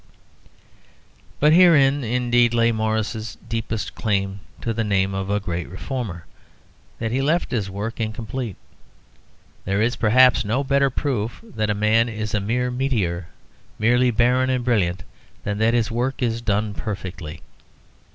But herein, indeed, lay Morris's deepest claim to the name of a great reformer: that he left his work incomplete. There is, perhaps, no better proof that a man is a mere meteor, merely barren and brilliant, than that his work is done perfectly.